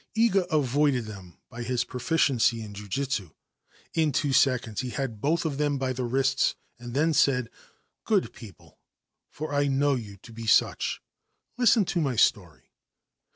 Iga avoided them by his proficiency in jujitsu. In o seconds he had both of them by the wrists, and then i: ' Good people, — for I know you to be such, — listen to r story.